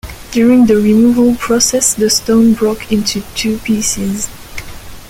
During the removal process, the stone broke into two pieces.